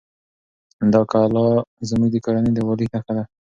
دا کلا زموږ د کورنۍ د یووالي نښه ده.